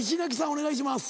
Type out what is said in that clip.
お願いします。